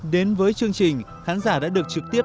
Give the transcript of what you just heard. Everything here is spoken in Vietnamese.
đến với chương trình khán giả đã được trực tiếp